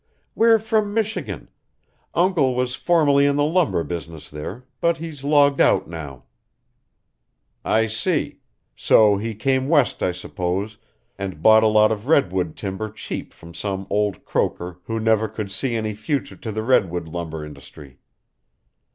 "We're from Michigan. Uncle was formerly in the lumber business there, but he's logged out now." "I see. So he came West, I suppose, and bought a lot of redwood timber cheap from some old croaker who never could see any future to the redwood lumber industry.